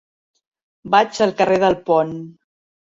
Vaig al carrer del Pont.